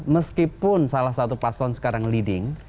meskipun salah satu paslon sekarang leading